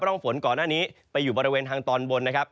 ร่องฝนก่อนหน้านี้ไปอยู่บริเวณทางตอนบนนะครับ